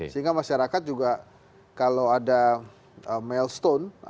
sehingga masyarakat juga kalau ada milestone